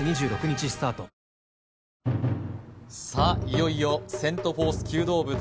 いよいよセント・フォース弓道部